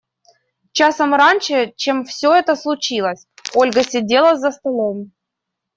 Часом раньше, чем все это случилось, Ольга сидела за столом.